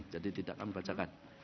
jadi tidak kami bacakan